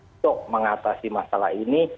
untuk mengatasi masalah ini